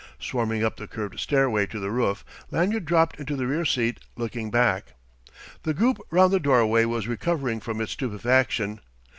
Swarming up the curved stairway to the roof, Lanyard dropped into the rear seat, looking back. The group round the doorway was recovering from its stupefaction.